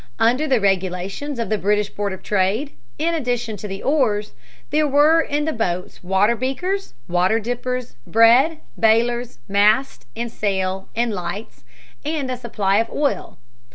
Under the regulations of the British Board of Trade, in addition to the oars, there were in the boats water breakers, water dippers, bread, bailers, mast and sail and lights and a supply of oil.